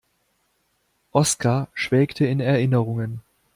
Oskar schwelgte in Erinnerungen.